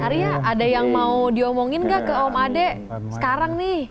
arya ada yang mau diomongin nggak ke om ade sekarang nih